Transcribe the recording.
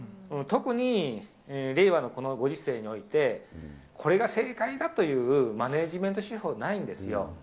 特に、令和のこのご時世において、これが正解だというマネジメント手法はないんですよ。